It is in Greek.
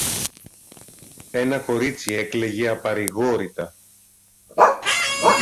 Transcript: ένα κορίτσι έκλαιγε απαρηγόρητα.